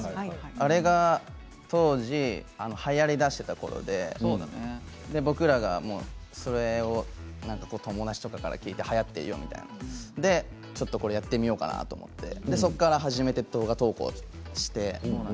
あれが当時はやりだしたころで僕らがそれを友達とかから聞いてやってみようかなって思ってそこから始めて動画投稿をして。